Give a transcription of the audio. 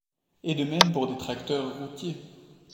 Et de même pour des tracteurs routiers.